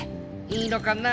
いいのかな？